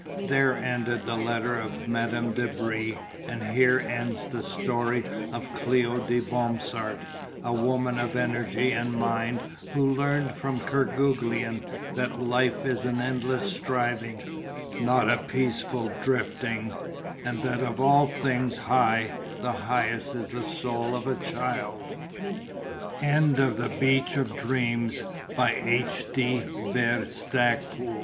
There ended the letter of Madame de Brie, and here ends the story of Cléo de Bromsart, a woman of energy and mind who learned from Kerguelen that Life is an endless striving, not a peaceful drifting, and that of all things high the highest is the soul of a child. THE END End of Project Gutenberg's The Beach of Dr